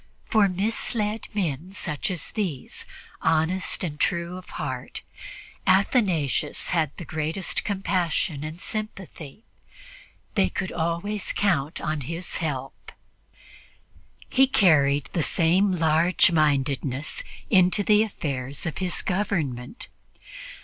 For misled men such as these, honest and true of heart, Athanasius had the greatest compassion and sympathy; they could always count on his help. He carried the same large mindedness into the affairs of his government.